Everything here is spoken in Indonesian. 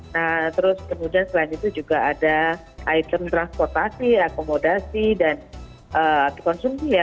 nah terus kemudian selain itu juga ada item transportasi akomodasi dan konsumsi ya